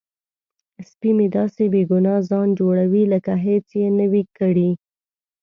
سپی مې داسې بې ګناه ځان جوړوي لکه هیڅ یې نه وي کړي.